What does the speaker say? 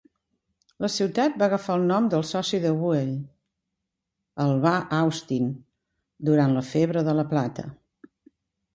La ciutat va agafar el nom del soci de Buell, Alvah Austin, durant la febre de la plata.